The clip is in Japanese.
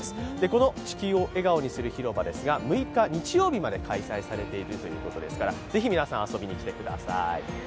この地球を笑顔にする広場ですが、６日日曜日まで開催されていますからぜひ皆さん遊びに来てください。